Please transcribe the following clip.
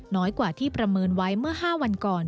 น้อยกว่าที่ประเมินไว้เมื่อ๕วันก่อน